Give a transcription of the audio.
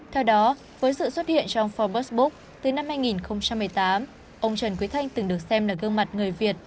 theo đó với sự xuất hiện trong forbes book từ năm hai nghìn một mươi tám ông trần quý thanh từng được xem là gương mặt người việt